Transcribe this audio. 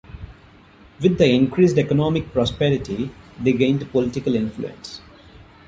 With their increased economic prosperity they gained political influence.